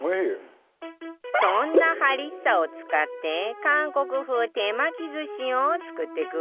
そんなハリッサを使って韓国風手巻き寿司を作ってくわよ